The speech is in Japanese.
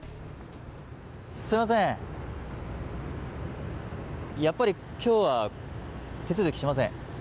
すみません、やっぱりきょうは手続きしません。